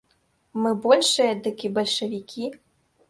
Мы большыя, дык і бальшавікі.